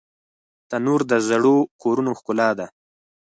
تنور د زړو کورونو ښکلا ده